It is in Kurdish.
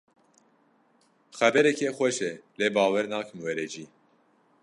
Xebereke xweş e lê bawer nakim were cî.